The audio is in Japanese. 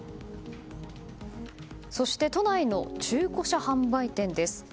そして都内の中古車販売店です。